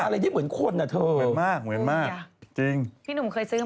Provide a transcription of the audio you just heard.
พี่หนุ่มเคยซื้อมาไหม